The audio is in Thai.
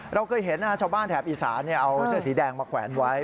เราเคยเห็นชาวบ้านแถบอีสานเอาเสื้อสีแดงมาแขวนไว้